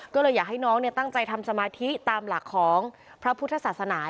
ก็เลยอยากให้น้องตั้งใจทำสมาธิตามหลักของพระพุทธศาสนา